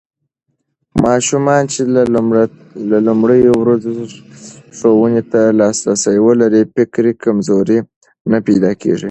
ماشومان چې له لومړيو ورځو ښوونې ته لاسرسی ولري، فکري کمزوري نه پيدا کېږي.